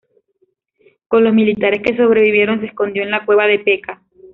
Con los militares que sobrevivieron se escondió en la cueva de Peca.